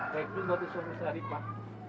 baik dulu buat istri saya tadi pak